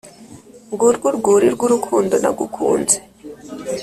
Ngurwo urwuri rwurukundo nagukunze